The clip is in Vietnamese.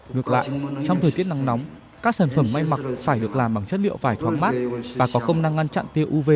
ngược lại trong thời tiết nắng nóng các sản phẩm may mặc phải được làm bằng chất liệu vải thoáng mát và có công năng ngăn chặn tiêu uv